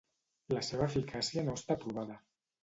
La seva eficàcia no està provada.